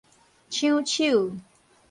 搶手